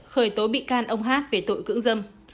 khởi tố bị can ông hát về tội cưỡng dâm